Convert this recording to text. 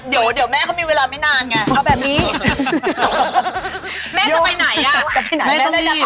เดี๋ยวแม่เขามีเวลาไม่นานไงเขาแบบนี้